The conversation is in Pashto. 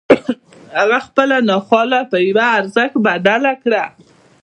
هغه خپله ناخواله پر يوه ارزښت بدله کړه.